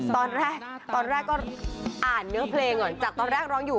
ตอนแรกตอนแรกก็อ่านเนื้อเพลงก่อนจากตอนแรกร้องอยู่